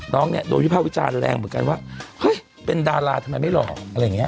น้องเนี่ยโดนวิภาควิจารณ์แรงเหมือนกันว่าเฮ้ยเป็นดาราทำไมไม่หลอกอะไรอย่างเงี้